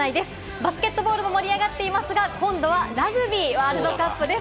バスケットボールも盛り上がっていますが、今度はラグビーワールドカップです。